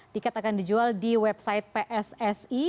tiket akan dijual di website pssi